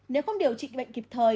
nếu không điều trị bệnh kịp thời